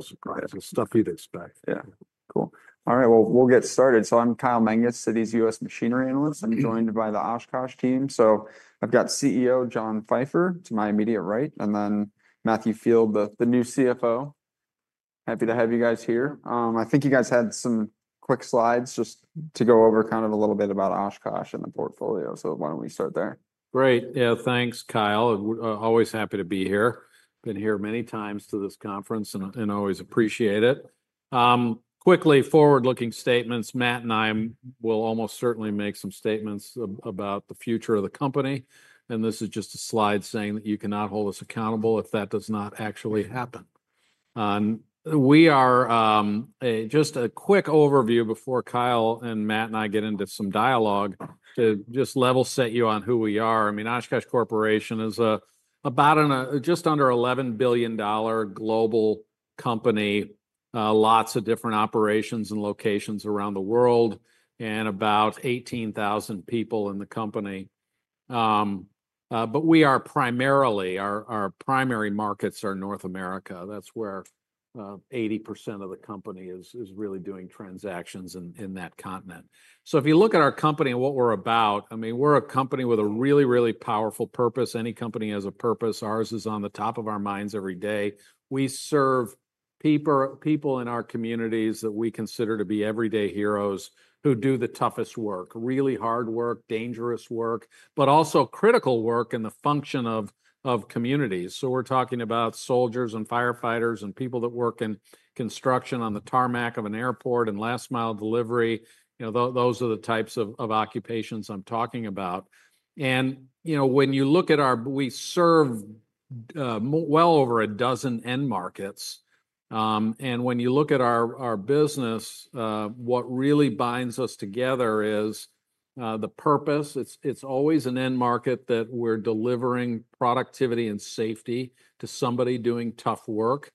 Real surprise. It's stuff you'd expect. Yeah. Cool. All right. Well, we'll get started. So, I'm Kyle Menges, Citi's U.S. Machinery Analyst. I'm joined by the Oshkosh team. So, I've got CEO John Pfeifer to my immediate right. And then Matthew Field, the new CFO. Happy to have you guys here. I think you guys had some quick slides just to go over kind of a little bit about Oshkosh and the portfolio. So, why don't we start there? Great. Yeah. Thanks, Kyle. Always happy to be here. Been here many times to this conference and always appreciate it. Quickly, forward-looking statements. Matt and I will almost certainly make some statements about the future of the company. And this is just a slide saying that you cannot hold us accountable if that does not actually happen. We are just a quick overview before Kyle and Matt and I get into some dialogue to just level set you on who we are. I mean, Oshkosh Corporation is about just under $11 billion global company, lots of different operations and locations around the world, and about 18,000 people in the company. But we are primarily our primary markets are North America. That's where 80% of the company is really doing transactions in that continent. If you look at our company and what we're about, I mean, we're a company with a really, really powerful purpose. Any company has a purpose. Ours is on the top of our minds every day. We serve people in our communities that we consider to be everyday heroes who do the toughest work, really hard work, dangerous work, but also critical work in the function of communities. We're talking about soldiers and firefighters and people that work in construction on the tarmac of an airport and last-mile delivery. You know, those are the types of occupations I'm talking about. You know, when you look at how we serve well over a dozen end markets. When you look at our business, what really binds us together is the purpose. It's always an end market that we're delivering productivity and safety to somebody doing tough work.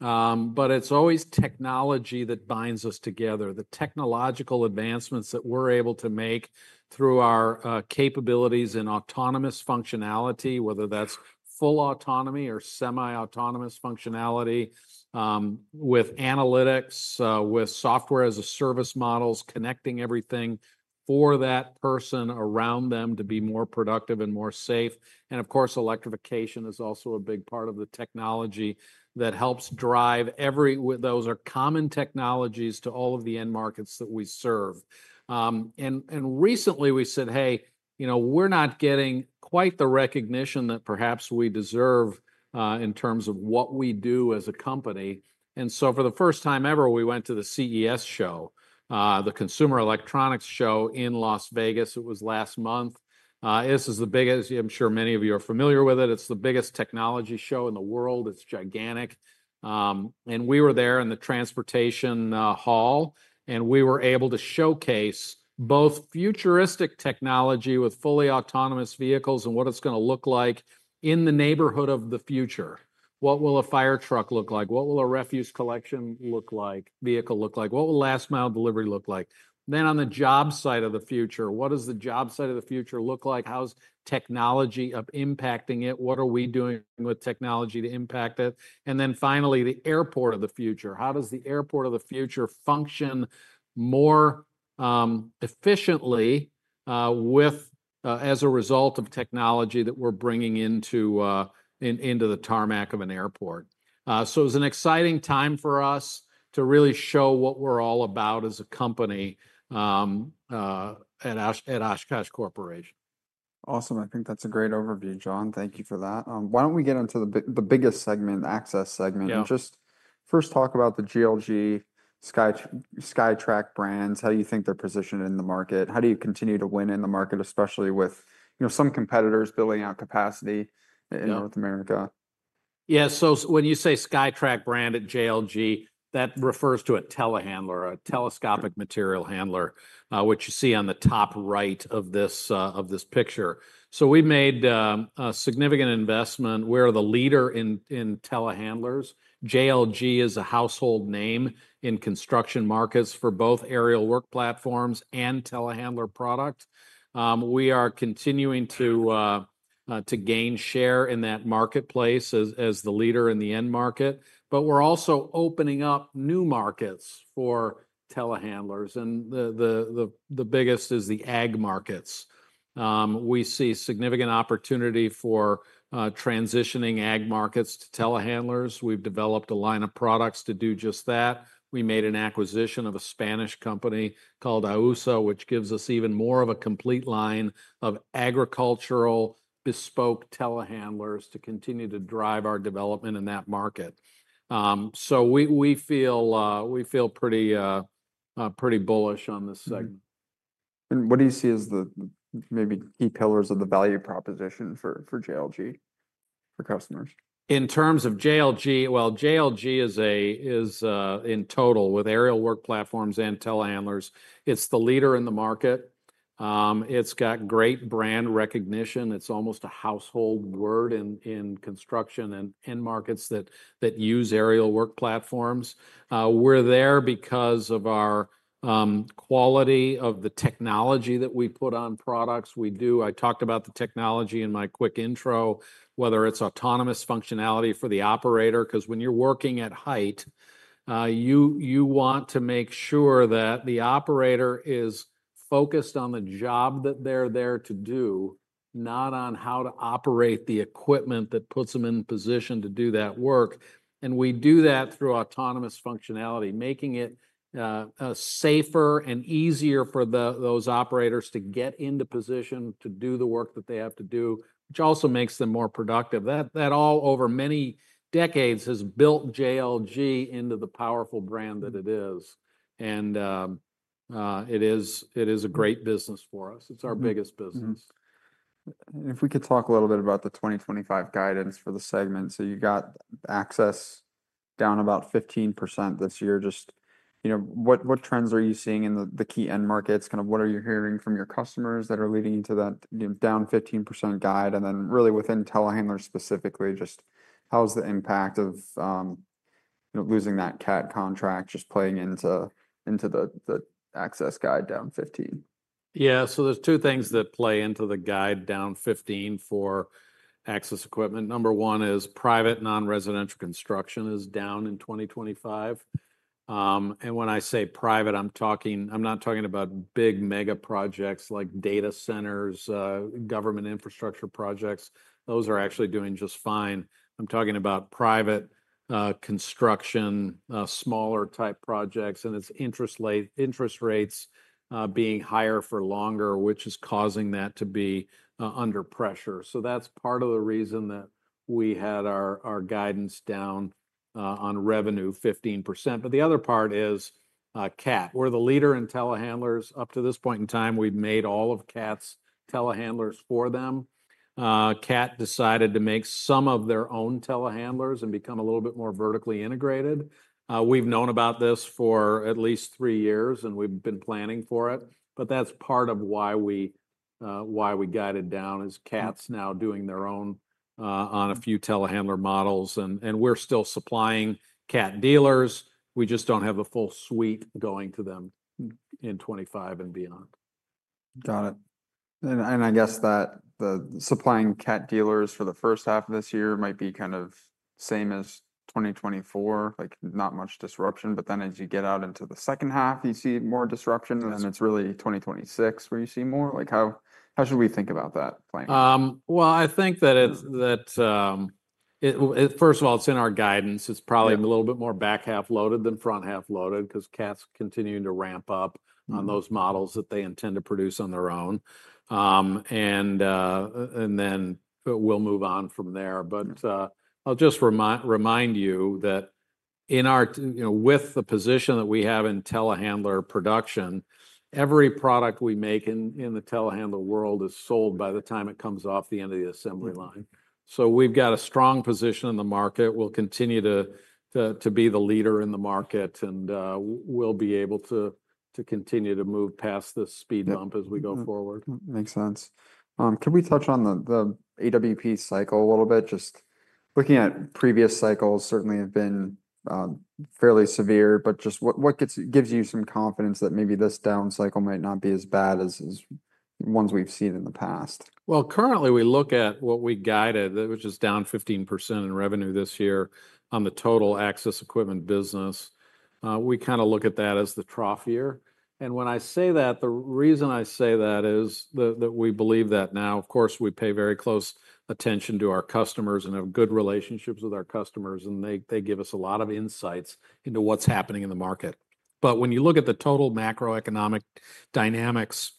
But it's always technology that binds us together, the technological advancements that we're able to make through our capabilities and autonomous functionality, whether that's full autonomy or semi-autonomous functionality with analytics, with software as a service models, connecting everything for that person around them to be more productive and more safe. And of course, electrification is also a big part of the technology that helps drive everything. Those are common technologies to all of the end markets that we serve. And recently we said, hey, you know, we're not getting quite the recognition that perhaps we deserve in terms of what we do as a company. And so, for the first time ever, we went to the CES show, the Consumer Electronics Show in Las Vegas. It was last month. This is the biggest. I'm sure many of you are familiar with it. It's the biggest technology show in the world. It's gigantic, and we were there in the transportation hall, and we were able to showcase both futuristic technology with fully autonomous vehicles and what it's going to look like in the neighborhood of the future. What will a fire truck look like? What will a refuse collection vehicle look like? What will last-mile delivery look like? Then on the job site of the future, what does the job site of the future look like? How's technology impacting it? What are we doing with technology to impact it, and then finally, the airport of the future. How does the airport of the future function more efficiently as a result of technology that we're bringing into the tarmac of an airport, so it was an exciting time for us to really show what we're all about as a company at Oshkosh Corporation. Awesome. I think that's a great overview, John. Thank you for that. Why don't we get into the biggest segment, Access segment, and just first talk about the JLG, SkyTrak brands. How do you think they're positioned in the market? How do you continue to win in the market, especially with, you know, some competitors building out capacity in North America? Yeah. So, when you say SkyTrak brand at JLG, that refers to a telehandler, a telescopic material handler, which you see on the top right of this picture. So, we made a significant investment. We're the leader in telehandlers. JLG is a household name in construction markets for both aerial work platforms and telehandler products. We are continuing to gain share in that marketplace as the leader in the end market. But we're also opening up new markets for telehandlers. And the biggest is the ag markets. We see significant opportunity for transitioning ag markets to telehandlers. We've developed a line of products to do just that. We made an acquisition of a Spanish company called AUSA, which gives us even more of a complete line of agricultural bespoke telehandlers to continue to drive our development in that market. So, we feel pretty bullish on this segment. What do you see as the maybe key pillars of the value proposition for JLG for customers? In terms of JLG, well, JLG is in total with aerial work platforms and telehandlers. It's the leader in the market. It's got great brand recognition. It's almost a household word in construction and markets that use aerial work platforms. We're there because of our quality of the technology that we put on products. I talked about the technology in my quick intro, whether it's autonomous functionality for the operator, because when you're working at height, you want to make sure that the operator is focused on the job that they're there to do, not on how to operate the equipment that puts them in position to do that work. And we do that through autonomous functionality, making it safer and easier for those operators to get into position to do the work that they have to do, which also makes them more productive. That all over many decades has built JLG into the powerful brand that it is. And it is a great business for us. It's our biggest business. And if we could talk a little bit about the 2025 guidance for the segment. So, you got access down about 15% this year. Just, you know, what trends are you seeing in the key end markets? Kind of what are you hearing from your customers that are leading to that down 15% guide? And then really within telehandlers specifically, just how's the impact of losing that CAT contract just playing into the access guide down 15%? Yeah. So, there's two things that play into the guide down 15% for access equipment. Number one is private non-residence construction is down in 2025. And when I say private, I'm not talking about big mega projects like data centers, government infrastructure projects. Those are actually doing just fine. I'm talking about private construction, smaller type projects, and its interest rates being higher for longer, which is causing that to be under pressure. So, that's part of the reason that we had our guidance down on revenue 15%. But the other part is CAT. We're the leader in telehandlers. Up to this point in time, we've made all of CAT's telehandlers for them. CAT decided to make some of their own telehandlers and become a little bit more vertically integrated. We've known about this for at least three years, and we've been planning for it. But that's part of why we guided down is CAT's now doing their own on a few telehandler models. And we're still supplying CAT dealers. We just don't have a full suite going to them in 2025 and beyond. Got it. And I guess that the supplying CAT dealers for the first half of this year might be kind of same as 2024, like not much disruption. But then as you get out into the second half, you see more disruption. And then it's really 2026 where you see more. Like how should we think about that plan? Well, I think that first of all, it's in our guidance. It's probably a little bit more back half loaded than front half loaded because CAT's continuing to ramp up on those models that they intend to produce on their own. And then we'll move on from there. But I'll just remind you that with the position that we have in telehandler production, every product we make in the telehandler world is sold by the time it comes off the end of the assembly line. So, we've got a strong position in the market. We'll continue to be the leader in the market, and we'll be able to continue to move past this speed bump as we go forward. Makes sense. Can we touch on the AWP cycle a little bit? Just looking at previous cycles certainly have been fairly severe, but just what gives you some confidence that maybe this down cycle might not be as bad as ones we've seen in the past? Currently we look at what we guided, which is down 15% in revenue this year on the total access equipment business. We kind of look at that as the trough year. And when I say that, the reason I say that is that we believe that now, of course, we pay very close attention to our customers and have good relationships with our customers, and they give us a lot of insights into what's happening in the market. But when you look at the total macroeconomic dynamics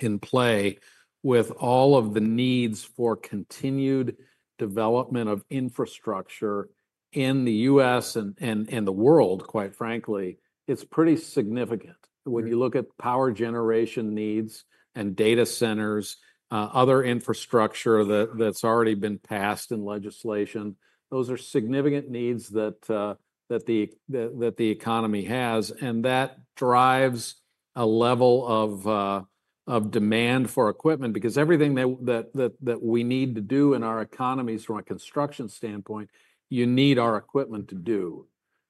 in play with all of the needs for continued development of infrastructure in the U.S. and the world, quite frankly, it's pretty significant. When you look at power generation needs and data centers, other infrastructure that's already been passed in legislation, those are significant needs that the economy has. And that drives a level of demand for equipment because everything that we need to do in our economies from a construction standpoint, you need our equipment to do.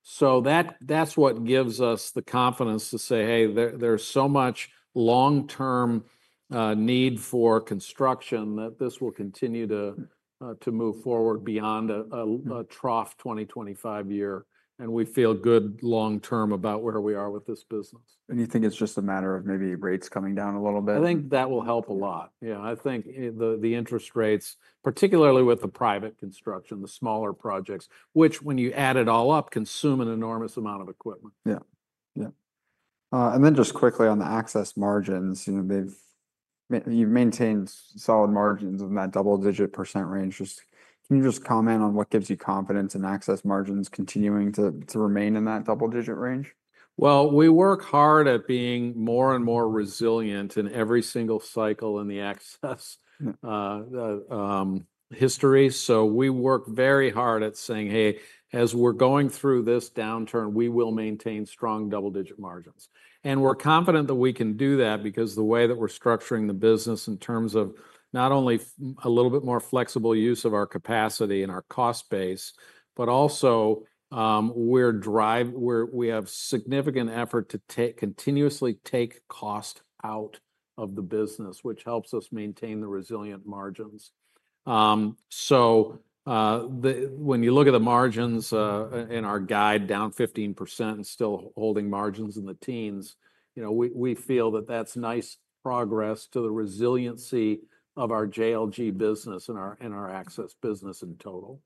So, that's what gives us the confidence to say, hey, there's so much long-term need for construction that this will continue to move forward beyond a trough 2025 year. And we feel good long-term about where we are with this business. You think it's just a matter of maybe rates coming down a little bit? I think that will help a lot. Yeah. I think the interest rates, particularly with the private construction, the smaller projects, which when you add it all up, consume an enormous amount of equipment. Yeah. Yeah. And then just quickly on the access margins, you've maintained solid margins in that double-digit % range. Can you just comment on what gives you confidence in access margins continuing to remain in that double-digit range? We work hard at being more and more resilient in every single cycle in the access history. So, we work very hard at saying, "hey, as we're going through this downturn, we will maintain strong double-digit margins". And we're confident that we can do that because the way that we're structuring the business in terms of not only a little bit more flexible use of our capacity and our cost base, but also, we have significant effort to continuously take cost out of the business, which helps us maintain the resilient margins. So, when you look at the margins in our guide down 15% and still holding margins in the teens, you know, we feel that that's nice progress to the resiliency of our JLG business and our access business in total.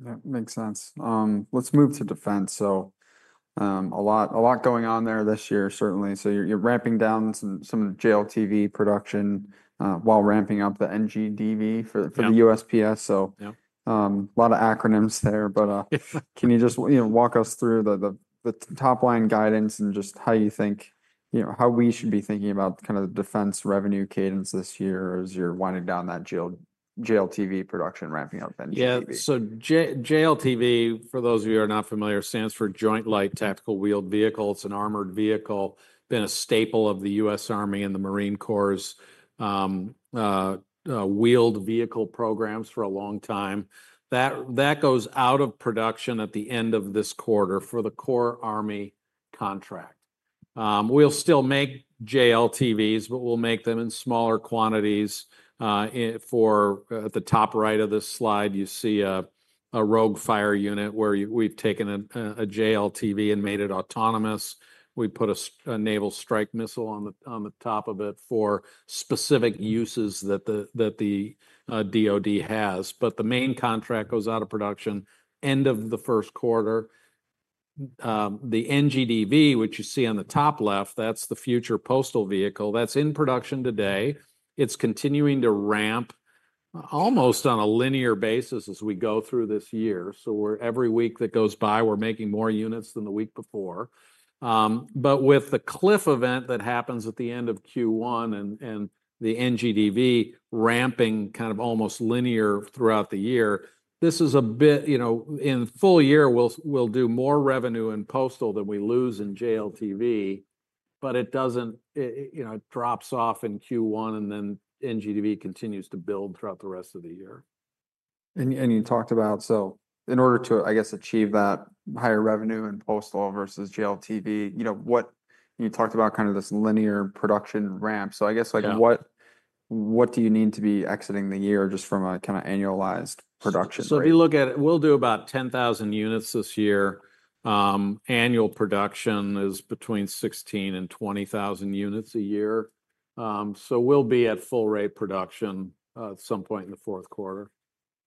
That makes sense. Let's move to Defense. A lot going on there this year, certainly. You're ramping down some of the JLTV production while ramping up the NGDV for the USPS. A lot of acronyms there. But can you just walk us through the top-line guidance and just how you think, you know, how we should be thinking about kind of the Defense revenue cadence this year as you're winding down that JLTV production, ramping up NGDV? Yeah. JLTV, for those of you who are not familiar, stands for Joint Light Tactical Vehicle. It's an armored vehicle. It's been a staple of the U.S. Army, and the U.S. Marine Corps wheeled vehicle programs for a long time. That goes out of production at the end of this quarter for the core Army contract. We'll still make JLTVs, but we'll make them in smaller quantities. At the top right of this slide, you see a ROGUE fire unit where we've taken a JLTV and made it autonomous. We put a Naval Strike Missile on the top of it for specific uses that the DoD has. But the main contract goes out of production at the end of the first quarter. The NGDV, which you see on the top left, that's the future postal vehicle. That's in production today. It's continuing to ramp almost on a linear basis as we go through this year. So, every week that goes by, we're making more units than the week before. But with the cliff event that happens at the end of Q1 and the NGDV ramping kind of almost linear throughout the year, this is a bit, you know, in full year, we'll do more revenue in postal than we lose in JLTV, but it doesn't, you know, it drops off in Q1 and then NGDV continues to build throughout the rest of the year. And you talked about, so in order to, I guess, achieve that higher revenue in Postal versus JLTV, you know, you talked about kind of this linear production ramp. So, I guess, like, what do you need to be exiting the year just from a kind of annualized production? If you look at it, we'll do about 10,000 units this year. Annual production is between 16,000 and 20,000 units a year. We'll be at full rate production at some point in the fourth quarter.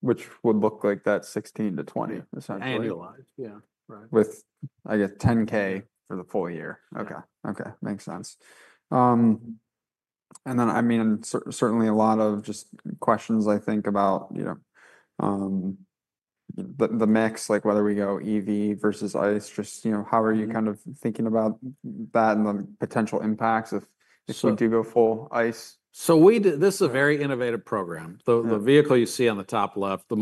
Which would look like that 16 thousand-20 thousand is that? Annualized, yeah. With, I guess, 10,000 for the full year. Okay. Okay. Makes sense. And then, I mean, certainly a lot of just questions, I think, about, you know, the mix, like whether we go EV versus ICE, just, you know, how are you kind of thinking about that and the potential impacts if we do go full ICE? This is a very innovative program. The vehicle you see on the top left, the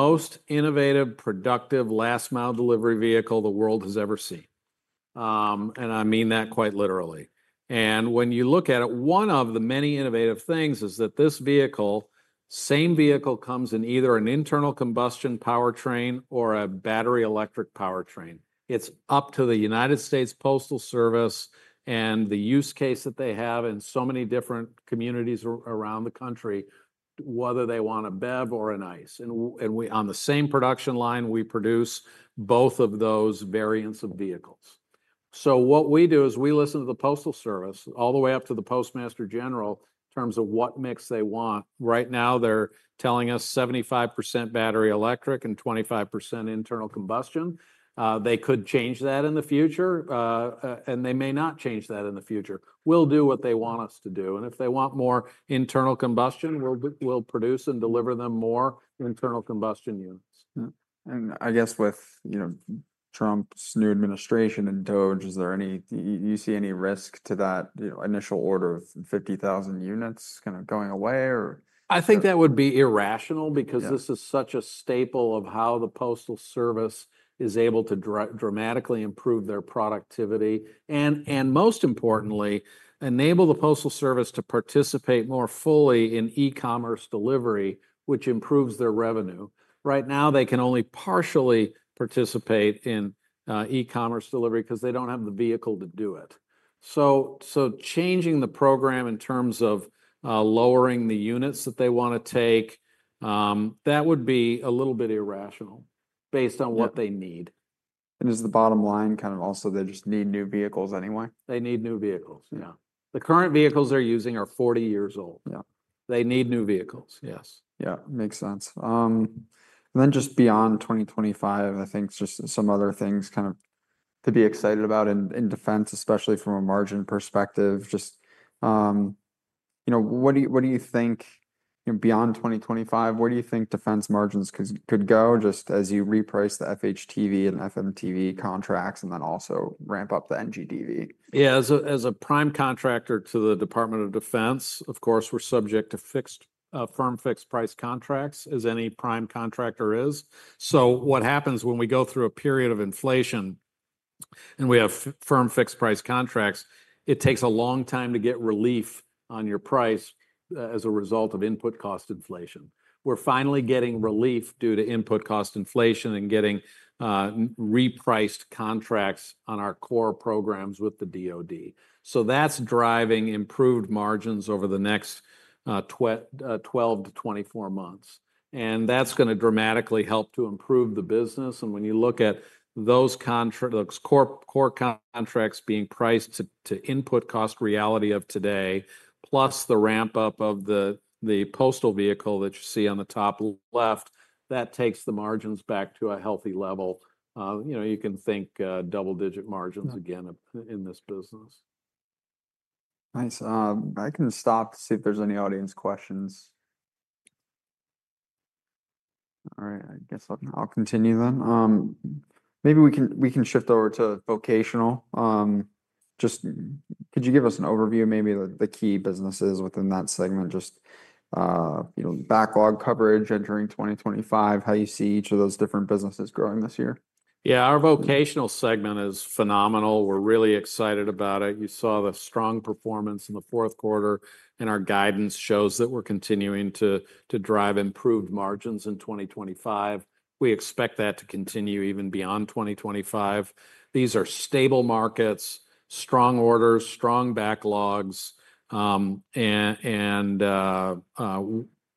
most innovative, productive last-mile delivery vehicle the world has ever seen. And I mean that quite literally. And when you look at it, one of the many innovative things is that this vehicle, same vehicle comes in either an internal combustion powertrain or a battery electric powertrain. \It's up to the United States Postal Service and the use case that they have in so many different communities around the country, whether they want a BEV or an ICE. And on the same production line, we produce both of those variants of vehicles. So, what we do is we listen to the Postal Service all the way up to the Postmaster General in terms of what mix they want. Right now, they're telling us 75% battery electric and 25% internal combustion. They could change that in the future, and they may not change that in the future. We'll do what they want us to do, and if they want more internal combustion, we'll produce and deliver them more internal combustion units. I guess with you know Trump's new administration in DOGE, is there any? Do you see any risk to that initial order of 50,000 units kind of going away or? I think that would be irrational because this is such a staple of how the Postal Service is able to dramatically improve their productivity, and most importantly, enable the Postal Service to participate more fully in e-commerce delivery, which improves their revenue. Right now, they can only partially participate in e-commerce delivery because they don't have the vehicle to do it. Changing the program in terms of lowering the units that they want to take, that would be a little bit irrational based on what they need. Is the bottom line kind of also they just need new vehicles anyway? They need new vehicles. Yeah. The current vehicles they're using are 40 years old. Yeah. They need new vehicles. Yes. Yeah. Makes sense. And then just beyond 2025, I think just some other things kind of to be excited about in Defense, especially from a margin perspective. Just, you know, what do you think, you know, beyond 2025, where do you think defense margins could go just as you reprice the FHTV and FMTV contracts and then also ramp up the NGDV? Yeah. As a prime contractor to the U.S. Department of Defense, of course, we're subject to firm fixed price contracts as any prime contractor is. So, what happens when we go through a period of inflation and we have firm fixed price contracts, it takes a long time to get relief on your price as a result of input cost inflation. We're finally getting relief due to input cost inflation and getting repriced contracts on our core programs with the DOD. So that's driving improved margins over the next 12 mos-24 mos. And that's going to dramatically help to improve the business. And when you look at those core contracts being priced to input cost reality of today, plus the ramp-up of the postal vehicle that you see on the top left, that takes the margins back to a healthy level. You know, you can think double-digit margins again in this business. Nice. I can stop to see if there's any audience questions. All right. I guess I'll continue then. Maybe we can shift over to Vocational. Just could you give us an overview of maybe the key businesses within that segment, just, you know, backlog coverage entering 2025, how you see each of those different businesses growing this year? Yeah. Our Vocational segment is phenomenal. We're really excited about it. You saw the strong performance in the fourth quarter, and our guidance shows that we're continuing to drive improved margins in 2025. We expect that to continue even beyond 2025. These are stable markets, strong orders, strong backlogs, and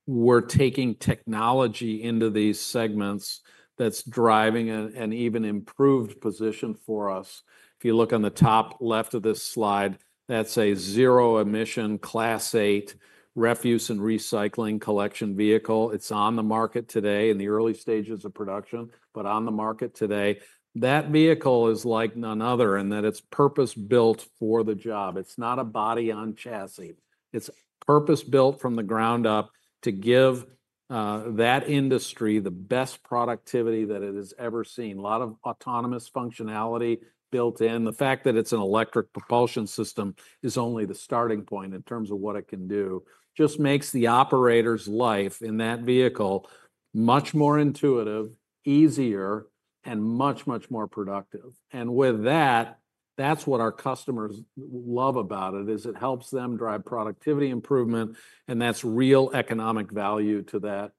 we're taking technology into these segments that's driving an even improved position for us. If you look on the top left of this slide, that's a zero-emission Class 8 refuse and recycling collection vehicle. It's on the market today in the early stages of production, but on the market today. That vehicle is like none other in that it's purpose-built for the job. It's not a body-on-chassis. It's purpose-built from the ground up to give that industry the best productivity that it has ever seen. A lot of autonomous functionality built in. The fact that it's an electric propulsion system is only the starting point in terms of what it can do. Just makes the operator's life in that vehicle much more intuitive, easier, and much, much more productive. And with that, that's what our customers love about it, is it helps them drive productivity improvement, and that's real economic value to that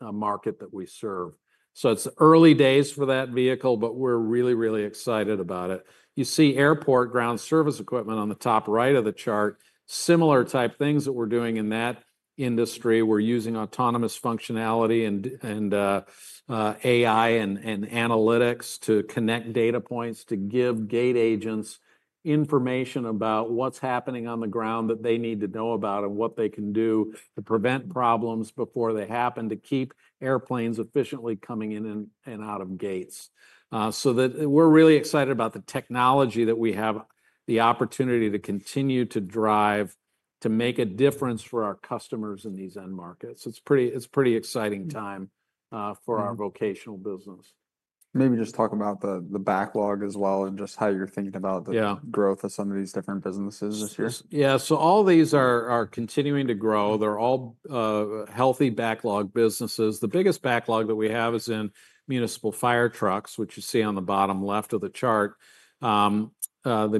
market that we serve. So, it's early days for that vehicle, but we're really, really excited about it. You see airport ground service equipment on the top right of the chart. Similar type things that we're doing in that industry. We're using autonomous functionality and AI and analytics to connect data points to give gate agents information about what's happening on the ground that they need to know about and what they can do to prevent problems before they happen, to keep airplanes efficiently coming in and out of gates. That we're really excited about the technology that we have the opportunity to continue to drive to make a difference for our customers in these end markets. It's a pretty exciting time for our Vocational business. Maybe just talk about the backlog as well and just how you're thinking about the growth of some of these different businesses this year. Yeah. So, all these are continuing to grow. They're all healthy backlog businesses. The biggest backlog that we have is in municipal fire trucks, which you see on the bottom left of the chart. The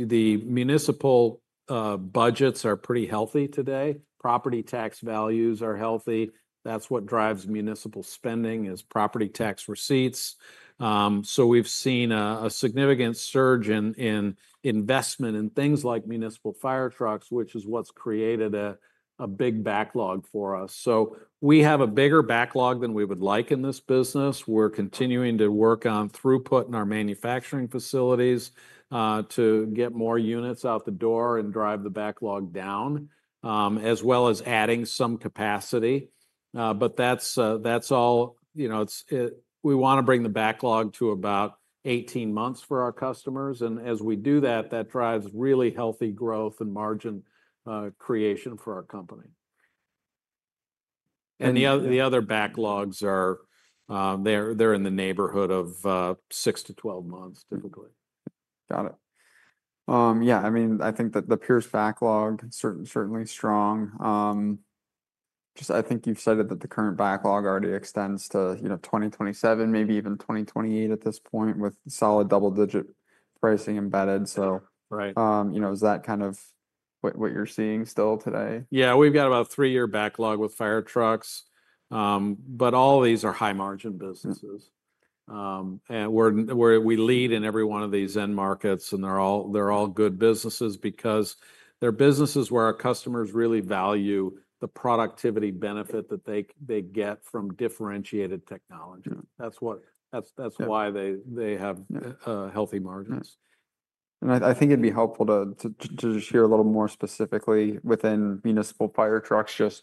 municipal budgets are pretty healthy today. Property tax values are healthy. That's what drives municipal spending is property tax receipts. So, we've seen a significant surge in investment in things like municipal fire trucks, which is what's created a big backlog for us. So, we have a bigger backlog than we would like in this business. We're continuing to work on throughput in our manufacturing facilities to get more units out the door and drive the backlog down, as well as adding some capacity. But that's all, you know, we want to bring the backlog to about 18 months for our customers. As we do that, that drives really healthy growth and margin creation for our company. The other backlogs are, they're in the neighborhood of six to 12 months typically. Got it. Yeah. I mean, I think that the Pierce backlog, certainly strong. Just I think you've cited that the current backlog already extends to, you know, 2027, maybe even 2028 at this point with solid double-digit pricing embedded. So, you know, is that kind of what you're seeing still today? Yeah. We've got about a three-year backlog with fire trucks. But all these are high-margin businesses. And we lead in every one of these end markets, and they're all good businesses because they're businesses where our customers really value the productivity benefit that they get from differentiated technology. That's why they have healthy margins. I think it'd be helpful to just hear a little more specifically within municipal fire trucks, just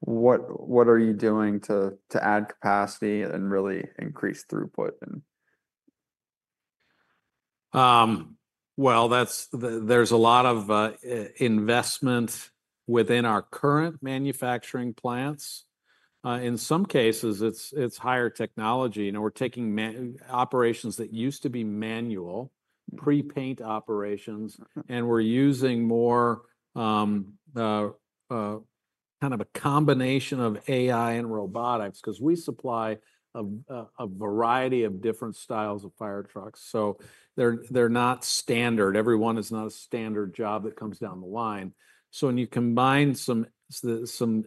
what are you doing to add capacity and really increase throughput? There's a lot of investment within our current manufacturing plants. In some cases, it's higher technology. You know, we're taking operations that used to be manual, pre-paint operations, and we're using more kind of a combination of AI and robotics because we supply a variety of different styles of fire trucks. So, they're not standard. Every one is not a standard job that comes down the line. So, when you combine some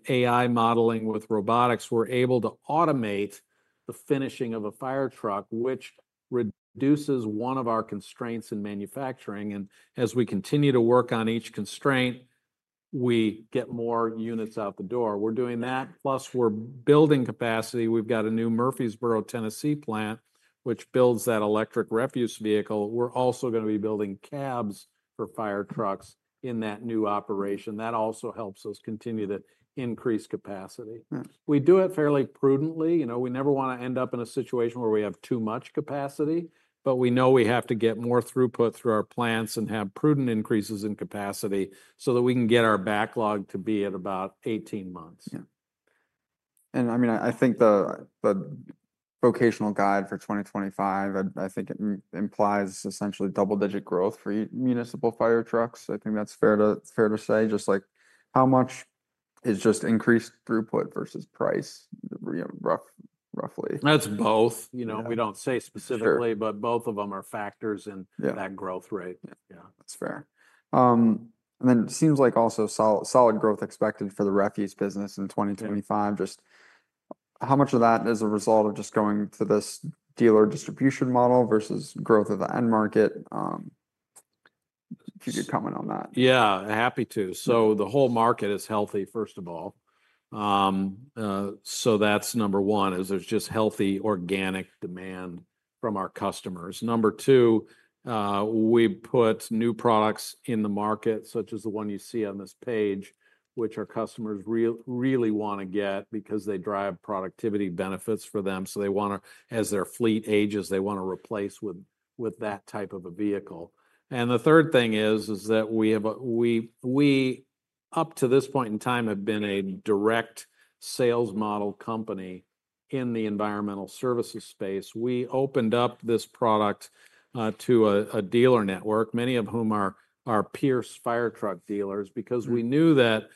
AI modeling with robotics, we're able to automate the finishing of a fire truck, which reduces one of our constraints in manufacturing. And as we continue to work on each constraint, we get more units out the door. We're doing that. Plus, we're building capacity. We've got a new Murfreesboro, Tennessee plant, which builds that electric refuse vehicle. We're also going to be building cabs for fire trucks in that new operation. That also helps us continue to increase capacity. We do it fairly prudently. You know, we never want to end up in a situation where we have too much capacity, but we know we have to get more throughput through our plants and have prudent increases in capacity so that we can get our backlog to be at about 18 months. Yeah. And I mean, I think the Vocational guide for 2025, I think it implies essentially double-digit growth for municipal fire trucks. I think that's fair to say, just like how much is just increased throughput versus price, roughly. That's both. You know, we don't say specifically, but both of them are factors in that growth rate. Yeah. That's fair, and then it seems like also solid growth expected for the refuse business in 2025. Just how much of that is a result of just going to this dealer distribution model versus growth of the end market? If you could comment on that. Yeah. Happy to. So, the whole market is healthy, first of all. So, that's number one, is there's just healthy organic demand from our customers. Number two, we put new products in the market, such as the one you see on this page, which our customers really want to get because they drive productivity benefits for them. So, they want to, as their fleet ages, they want to replace with that type of a vehicle. And the third thing is that we, up to this point in time, have been a direct sales model company in the environmental services space. We opened up this product to a dealer network, many of whom are Pierce fire truck dealers, because we knew that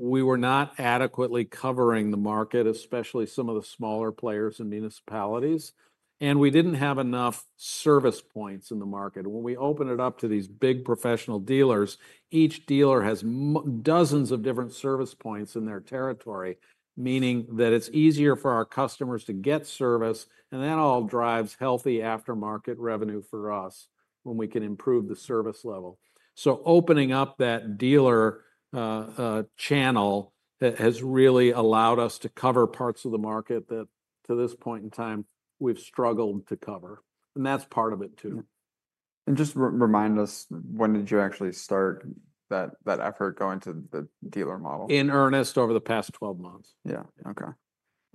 we were not adequately covering the market, especially some of the smaller players in municipalities. And we didn't have enough service points in the market. When we opened it up to these big professional dealers, each dealer has dozens of different service points in their territory, meaning that it's easier for our customers to get service. And that all drives healthy aftermarket revenue for us when we can improve the service level. So, opening up that dealer channel has really allowed us to cover parts of the market that to this point in time, we've struggled to cover. And that's part of it too. Just remind us, when did you actually start that effort going to the dealer model? In earnest over the past 12 months. Yeah. Okay.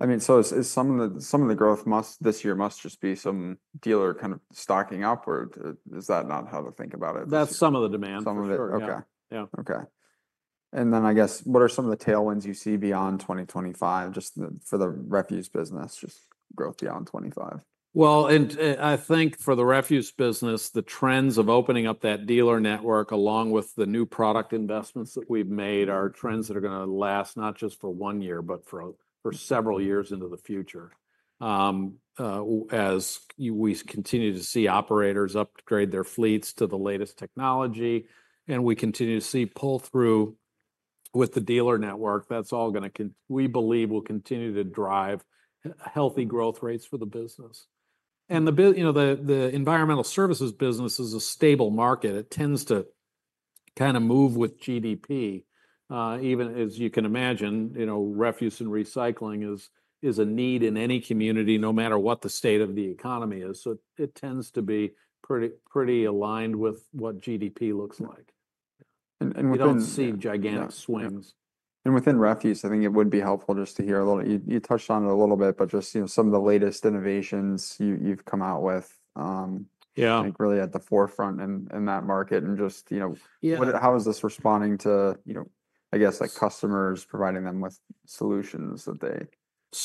I mean, so some of the growth this year must just be some dealer kind of stocking up, or is that not how to think about it? That's some of the demand. Some of it. Okay. Yeah. Okay. And then I guess, what are some of the tailwinds you see beyond 2025, just for the refuse business, just growth beyond 2025? I think for the refuse business, the trends of opening up that dealer network along with the new product investments that we've made are trends that are going to last not just for one year, but for several years into the future. As we continue to see operators upgrade their fleets to the latest technology, and we continue to see pull-through with the dealer network, that's all going to, we believe, will continue to drive healthy growth rates for the business. The, you know, the environmental services business is a stable market. It tends to kind of move with GDP, even as you can imagine, you know, refuse and recycling is a need in any community, no matter what the state of the economy is. It tends to be pretty aligned with what GDP looks like. We don't see gigantic swings. Within refuse, I think it would be helpful just to hear a little. You touched on it a little bit, but just, you know, some of the latest innovations you've come out with. I think really at the forefront in that market. Just, you know, how is this responding to, you know, I guess, like customers providing them with solutions that they?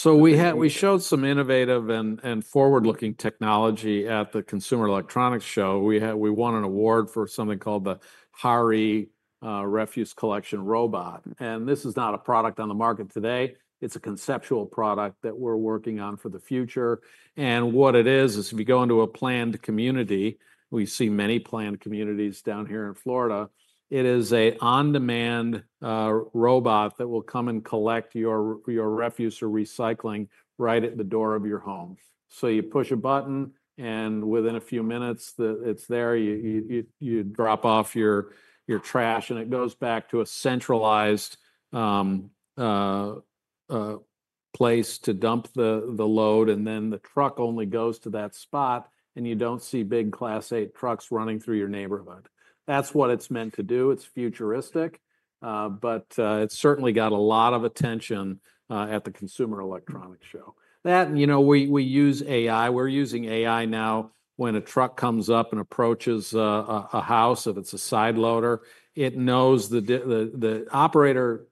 We showed some innovative and forward-looking technology at the Consumer Electronics Show. We won an award for something called the HARR-E refuse collection robot. This is not a product on the market today. It's a conceptual product that we're working on for the future. What it is, is if you go into a planned community, we see many planned communities down here in Florida. It is an on-demand robot that will come and collect your refuse or recycling right at the door of your home. So, you push a button, and within a few minutes, it's there. You drop off your trash, and it goes back to a centralized place to dump the load. Then the truck only goes to that spot, and you don't see big Class 8 trucks running through your neighborhood. That's what it's meant to do. It's futuristic, but it's certainly got a lot of attention at the Consumer Electronics Show. That, you know, we use AI. We're using AI now when a truck comes up and approaches a house, if it's a side loader, it knows the operator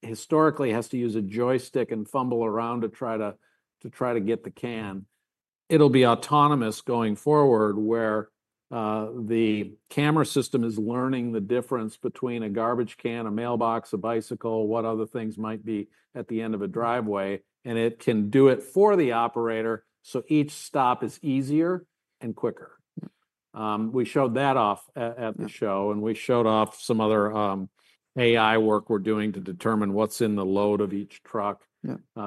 historically has to use a joystick and fumble around to try to get the can. It'll be autonomous going forward where the camera system is learning the difference between a garbage can, a mailbox, a bicycle, what other things might be at the end of a driveway. And it can do it for the operator. So, each stop is easier and quicker. We showed that off at the show, and we showed off some other AI work we're doing to determine what's in the load of each truck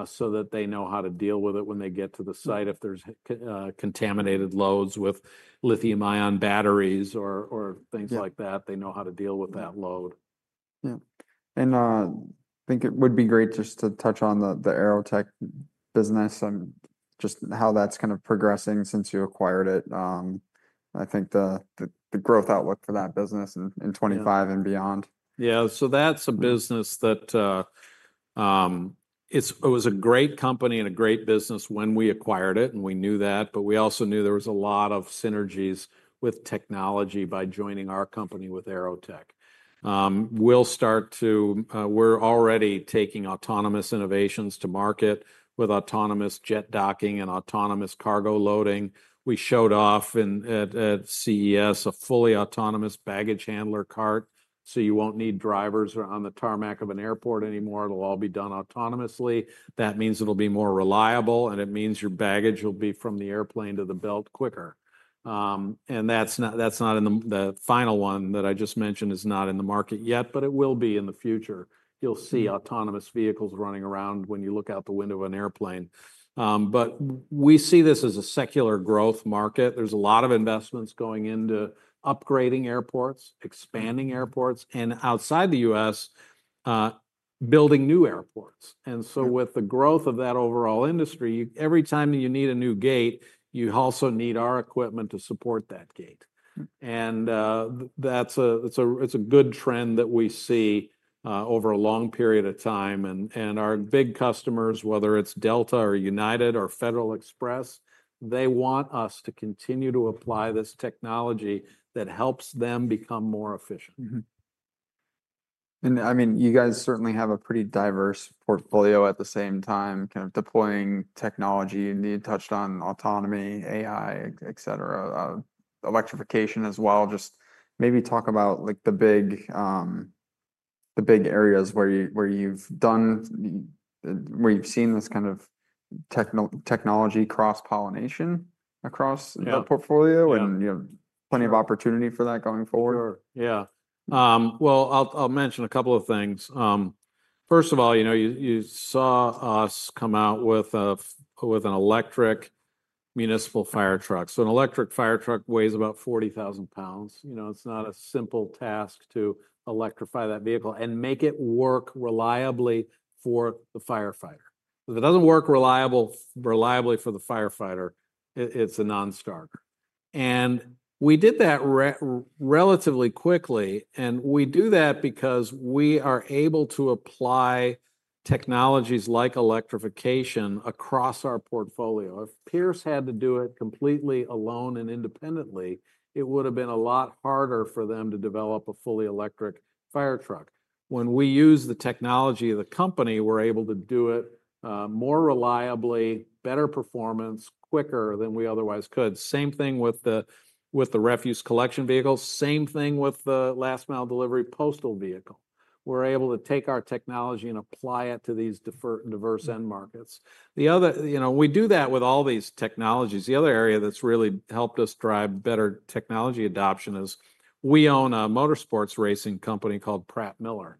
so that they know how to deal with it when they get to the site. If there's contaminated loads with lithium-ion batteries or things like that, they know how to deal with that load. Yeah, and I think it would be great just to touch on the AeroTech business and just how that's kind of progressing since you acquired it. I think the growth outlook for that business in 2025 and beyond. Yeah. So that's a business that it was a great company and a great business when we acquired it, and we knew that. But we also knew there was a lot of synergies with technology by joining our company with AeroTech. We'll start to, we're already taking autonomous innovations to market with autonomous jet docking and autonomous cargo loading. We showed off at CES a fully autonomous baggage handler cart. So, you won't need drivers on the tarmac of an airport anymore. It'll all be done autonomously. That means it'll be more reliable, and it means your baggage will be from the airplane to the belt quicker. And that's not in the final one that I just mentioned is not in the market yet, but it will be in the future. You'll see autonomous vehicles running around when you look out the window of an airplane. But we see this as a secular growth market. There's a lot of investments going into upgrading airports, expanding airports, and outside the U.S., building new airports. And so, with the growth of that overall industry, every time you need a new gate, you also need our equipment to support that gate. And that's a good trend that we see over a long period of time. And our big customers, whether it's Delta or United or Federal Express, they want us to continue to apply this technology that helps them become more efficient. I mean, you guys certainly have a pretty diverse portfolio at the same time, kind of deploying technology. You touched on autonomy, AI, et cetera, electrification as well. Just maybe talk about like the big areas where you've done, where you've seen this kind of technology cross-pollination across your portfolio and you have plenty of opportunity for that going forward. Sure. Yeah. Well, I'll mention a couple of things. First of all, you know, you saw us come out with an electric municipal fire truck. So, an electric fire truck weighs about 40 thousand lbs. You know, it's not a simple task to electrify that vehicle and make it work reliably for the firefighter. If it doesn't work reliably for the firefighter, it's a non-starter, and we did that relatively quickly, and we do that because we are able to apply technologies like electrification across our portfolio. If Pierce had to do it completely alone and independently, it would have been a lot harder for them to develop a fully electric fire truck. When we use the technology of the company, we're able to do it more reliably, better performance, quicker than we otherwise could. Same thing with the refuse collection vehicle. Same thing with the last-mile delivery postal vehicle. We're able to take our technology and apply it to these diverse end markets. You know, we do that with all these technologies. The other area that's really helped us drive better technology adoption is we own a motorsports racing company called Pratt Miller.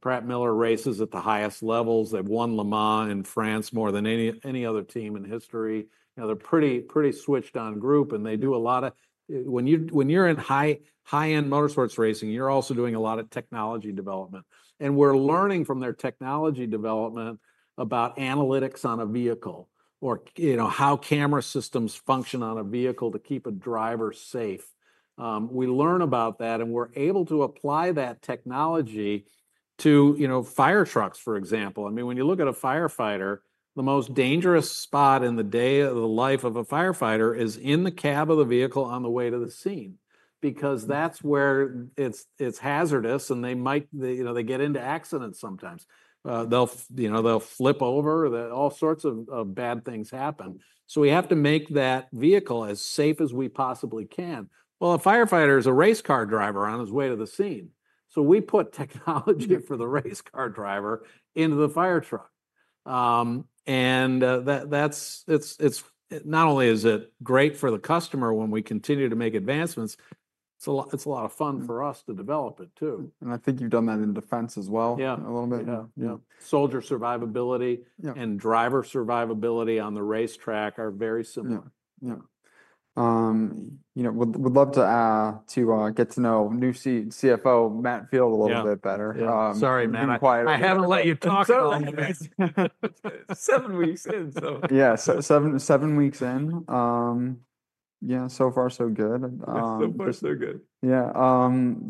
Pratt Miller races at the highest levels. They've won Le Mans in France more than any other team in history. You know, they're a pretty switched-on group, and they do a lot of, when you're in high-end motorsports racing, you're also doing a lot of technology development. And we're learning from their technology development about analytics on a vehicle or, you know, how camera systems function on a vehicle to keep a driver safe. We learn about that, and we're able to apply that technology to, you know, fire trucks, for example. I mean, when you look at a firefighter, the most dangerous spot in the day of the life of a firefighter is in the cab of the vehicle on the way to the scene, because that's where it's hazardous, and they might, you know, they get into accidents sometimes. They'll, you know, they'll flip over. All sorts of bad things happen, so we have to make that vehicle as safe as we possibly can. Well, a firefighter is a race car driver on his way to the scene, so we put technology for the race car driver into the fire truck, and that's, it's not only is it great for the customer when we continue to make advancements, it's a lot of fun for us to develop it too. I think you've done that in defense as well a little bit. Yeah. Soldier survivability and driver survivability on the racetrack are very similar. Yeah. You know, would love to get to know new CFO Matt Field a little bit better. Sorry, man. I haven't let you talk so long. Seven weeks in, so. Yeah. Seven weeks in. Yeah. So far, so good. So far, so good. Yeah.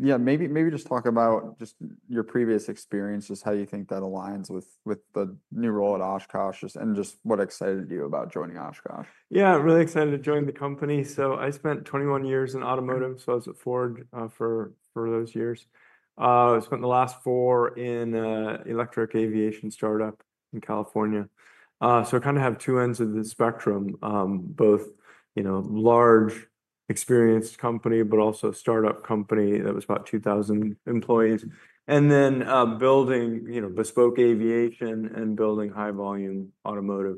Yeah. Maybe just talk about your previous experiences, how you think that aligns with the new role at Oshkosh, and just what excited you about joining Oshkosh? Yeah. Really excited to join the company. So, I spent 21 years in automotive. So, I was at Ford for those years. I spent the last four in an electric aviation startup in California. So, I kind of have two ends of the spectrum, both, you know, large experienced company, but also startup company that was about 2,000 employees. And then building, you know, bespoke aviation and building high-volume automotive.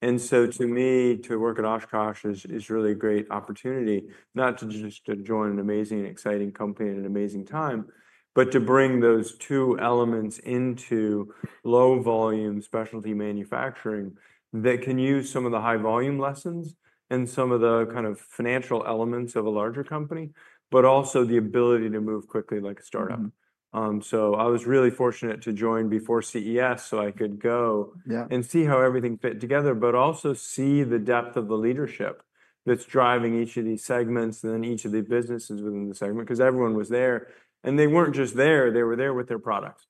And so to me, to work at Oshkosh is really a great opportunity, not just to join an amazing and exciting company at an amazing time, but to bring those two elements into low-volume specialty manufacturing that can use some of the high-volume lessons and some of the kind of financial elements of a larger company, but also the ability to move quickly like a startup. So, I was really fortunate to join before CES so I could go and see how everything fit together, but also see the depth of the leadership that's driving each of these segments and then each of the businesses within the segment because everyone was there. And they weren't just there. They were there with their products.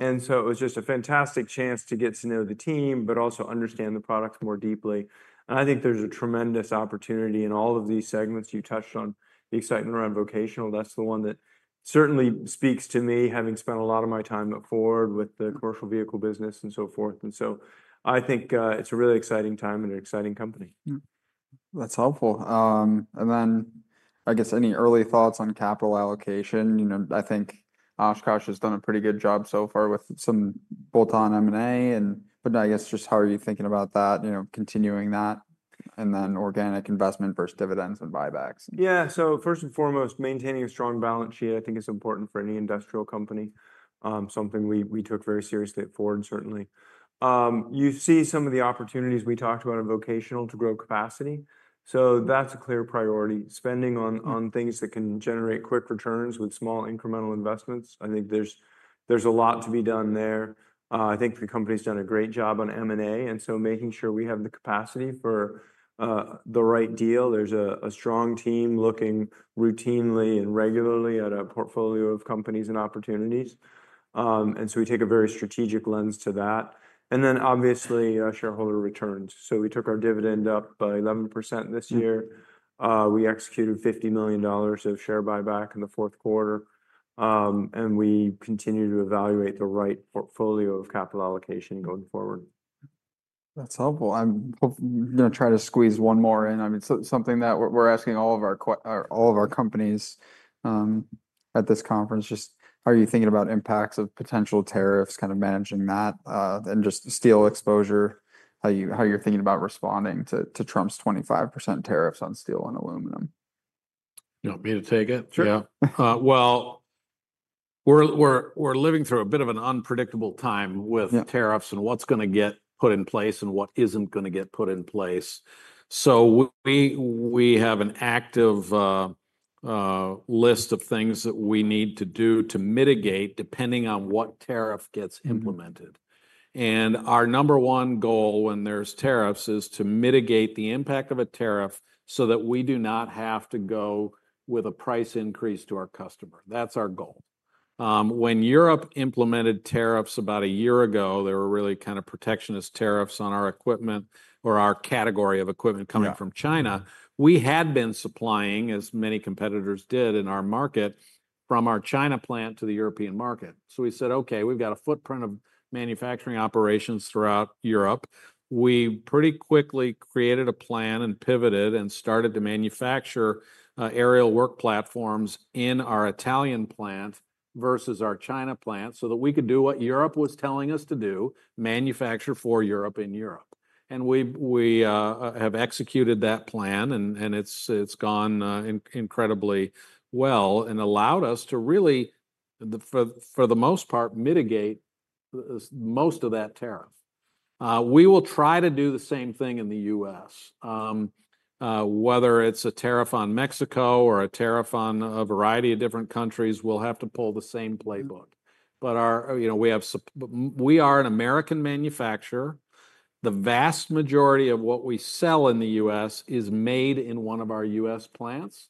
And so, it was just a fantastic chance to get to know the team but also understand the products more deeply. And I think there's a tremendous opportunity in all of these segments. You touched on the excitement around vocational. That's the one that certainly speaks to me, having spent a lot of my time at Ford with the commercial vehicle business and so forth. And so, I think it's a really exciting time and an exciting company. That's helpful, and then I guess any early thoughts on capital allocation? You know, I think Oshkosh has done a pretty good job so far with some bolt-on M&A, but I guess just how are you thinking about that, you know, continuing that and then organic investment versus dividends and buybacks? Yeah. So first and foremost, maintaining a strong balance sheet, I think is important for any industrial company. Something we took very seriously at Ford, certainly. You see some of the opportunities we talked about in Vocational to grow capacity. So that's a clear priority. Spending on things that can generate quick returns with small incremental investments. I think there's a lot to be done there. I think the company's done a great job on M&A and so making sure we have the capacity for the right deal. There's a strong team looking routinely and regularly at a portfolio of companies and opportunities. And so, we take a very strategic lens to that. And then obviously shareholder returns. So, we took our dividend up by 11% this year. We executed $50 million of share buyback in the fourth quarter. We continue to evaluate the right portfolio of capital allocation going forward. That's helpful. I'm going to try to squeeze one more in. I mean, something that we're asking all of our companies at this conference, just how are you thinking about impacts of potential tariffs, kind of managing that and just steel exposure, how you're thinking about responding to Trump's 25% tariffs on steel and aluminum? You want me to take it? Sure. Yeah. Well, we're living through a bit of an unpredictable time with tariffs and what's going to get put in place and what isn't going to get put in place. So we have an active list of things that we need to do to mitigate depending on what tariff gets implemented. And our number one goal when there's tariffs is to mitigate the impact of a tariff so that we do not have to go with a price increase to our customer. That's our goal. When Europe implemented tariffs about a year ago, there were really kind of protectionist tariffs on our equipment or our category of equipment coming from China. We had been supplying, as many competitors did in our market, from our China plant to the European market. So we said, "Okay, we've got a footprint of manufacturing operations throughout Europe." We pretty quickly created a plan and pivoted and started to manufacture aerial work platforms in our Italian plant versus our China plant so that we could do what Europe was telling us to do, manufacture for Europe in Europe. And we have executed that plan, and it's gone incredibly well and allowed us to really, for the most part, mitigate most of that tariff. We will try to do the same thing in the U.S. Whether it's a tariff on Mexico or a tariff on a variety of different countries, we'll have to pull the same playbook. But our, you know, we are an American manufacturer. The vast majority of what we sell in the U.S. is made in one of our U.S. plants.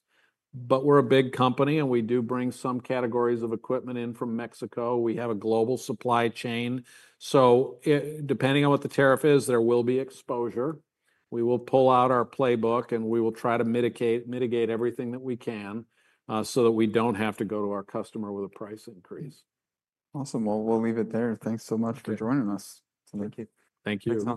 But we're a big company, and we do bring some categories of equipment in from Mexico. We have a global supply chain. So, depending on what the tariff is, there will be exposure. We will pull out our playbook, and we will try to mitigate everything that we can so that we don't have to go to our customer with a price increase. Awesome. Well, we'll leave it there. Thanks so much for joining us today. Thank you.